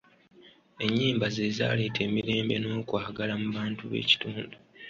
Ennyimba ze zaaleeta emirembe n'okwagala mu bantu b'ekitundu.